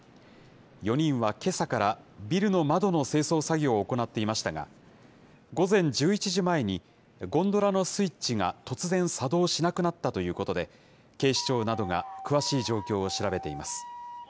４人はけさからビルの窓の清掃作業を行っていましたが、午前１１時前に、ゴンドラのスイッチが突然作動しなくなったということで、警視庁などが詳しい状況を調べています。